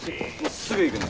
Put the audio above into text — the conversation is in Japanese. すぐ行くね！